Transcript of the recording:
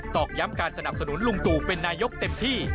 อกย้ำการสนับสนุนลุงตู่เป็นนายกเต็มที่